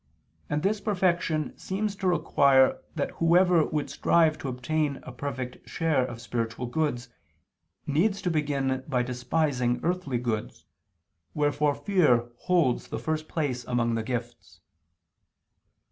And this perfection seems to require that whoever would strive to obtain a perfect share of spiritual goods, needs to begin by despising earthly goods, wherefore fear holds the first place among the gifts.